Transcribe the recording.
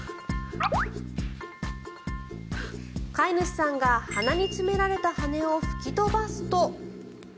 飼い主さんが鼻に詰められた羽根を吹き飛ばすと。